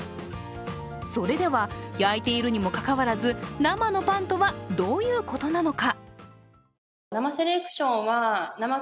それでは、焼いているにもかかわらず生のパンとはどういうことなのか。